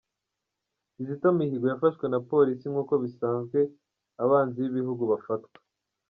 -Kizito Mihigo yafashwe na Police nkuko bisanzwe abanzi bigihugu bafatwa